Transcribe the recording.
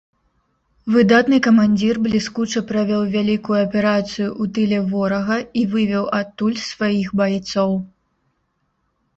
Выдатны камандзір бліскуча правёў вялікую аперацыю ў тыле ворага і вывеў адтуль сваіх байцоў.